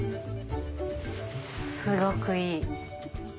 すごくいい。